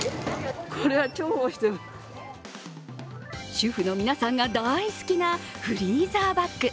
主婦の皆さんが大好きなフリーザーバッグ。